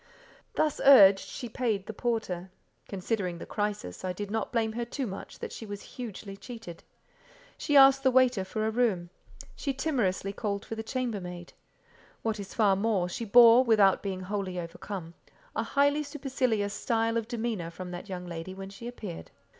Thus urged, she paid the porter: considering the crisis, I did not blame her too much that she was hugely cheated; she asked the waiter for a room; she timorously called for the chambermaid; what is far more, she bore, without being wholly overcome, a highly supercilious style of demeanour from that young lady, when she appeared.